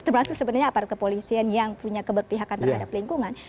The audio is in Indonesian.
termasuk sebenarnya apart kepolisian yang punya keberpihakan terhadap lingkungan